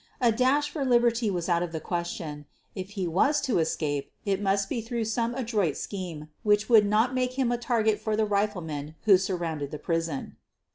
A dash for liberty was out of the question — if he was to escape it must be through some adroit scheme which would not make him a target for the riflemen who surround the prison.